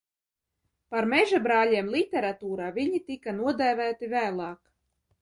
Par mežabrāļiem literatūrā viņi tika nodēvēti vēlāk.